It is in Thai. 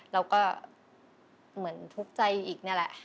เราก็เหมือนทุกข์ใจอีกนี่แหละ